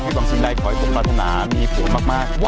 และขอให้คุณปรารถนามีผลมาก